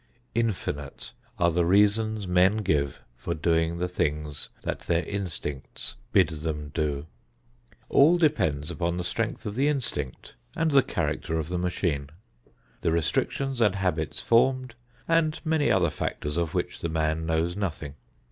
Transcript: Infinite are the reasons men give for doing the things that their instincts bid them do. All depends upon the strength of the instinct and the character of the machine; the restrictions and habits formed; and many other factors of which the man knows nothing.